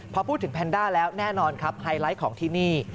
พอพูดถึงแพนด้าแล้วแน่นอนครับไฮไลท์ของที่นี่